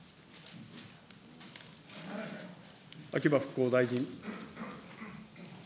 秋葉復興大臣。